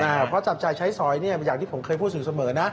เพราะว่าจับจ่ายใช้สอยอย่างที่ผมเคยพูดถึงเสมอ